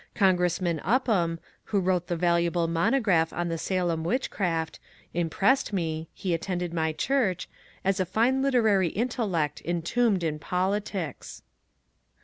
Congressman Upham, who wrote the valuable monograph on the Salem witchcraft, impressed me — he attended my church — as a fine literary intellect entombed in politics.